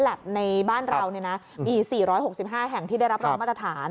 ในบ้านเรามี๔๖๕แห่งที่ได้รับรองมาตรฐาน